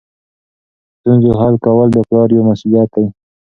ستونزو حل کول د پلار یوه مسؤلیت ده.